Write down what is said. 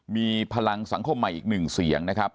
มีพลังสังคมใหม่อีกหนึ่งเสียงนะครับ